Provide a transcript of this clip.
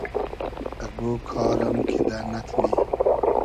اگۉ کار ام کیدہ نئتنی